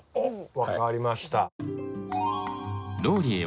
分かりました。